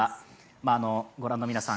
ご覧の皆さん